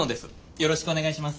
よろしくお願いします。